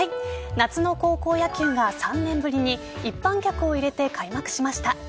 夏の高校野球が３年ぶりに一般客を入れて開幕しました。